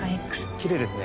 きれいですね。